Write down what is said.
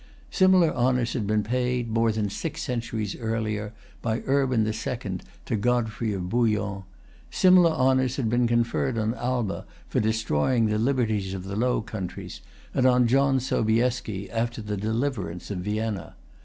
Similar honors had been paid, more than six centuries earlier, by Urban the Second to Godfrey of Bouillon. Similar honors had been conferred on Alba for destroying the liberties of the Low Countries, and on John Sobiesky after the deliverance of Vienna.